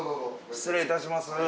失礼いたします。